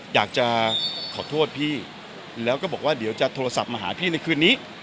อยากจะขอโทษพี่แล้วก็บอกว่าเดี๋ยวจะโทรศัพท์มาหาพี่ในคืนนี้